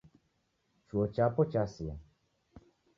Chuo chapo chasi